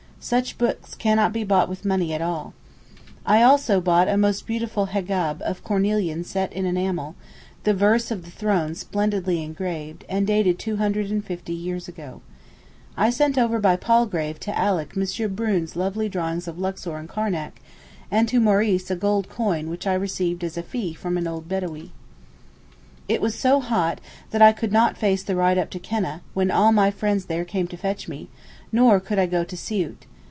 Such books cannot be bought with money at all. I also bought a most beautiful hegab of cornelian set in enamel, the verse of the throne splendidly engraved, and dated 250 years ago. I sent over by Palgrave to Alick M. Brune's lovely drawings of Luxor and Karnac, and to Maurice a gold coin which I received as a fee from an old Bedawee. It was so hot that I could not face the ride up to Keneh, when all my friends there came to fetch me, nor could I go to Siout.